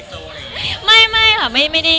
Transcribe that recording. มันคิดว่าจะเป็นรายการหรือไม่มี